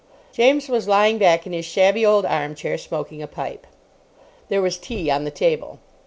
James was lying back in his shabby old armchair, smoking a pipe. There was tea on the table.